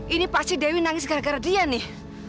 ini pasti dewi nangis gara gara dia nih